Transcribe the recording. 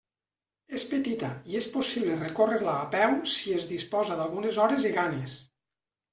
És petita, i és possible recórrer-la a peu si es disposa d'algunes hores i ganes.